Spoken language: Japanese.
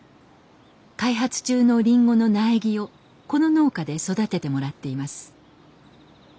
開発中のリンゴの苗木をこの農家で育ててもらっています。